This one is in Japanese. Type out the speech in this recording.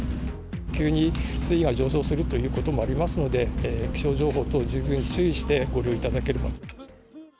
急に水位が上昇するということもありますので、気象情報等、十分注意してご利用いただければと。